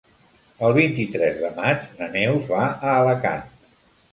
El vint-i-tres de maig na Neus va a Alacant.